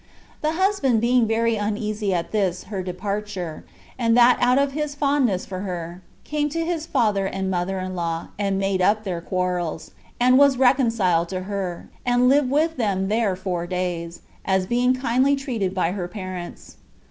The husband being very uneasy at this her departure, and that out of his fondness for her, came to his father and mother in law, and made up their quarrels, and was reconciled to her, and lived with them there four days, as being kindly treated by her parents.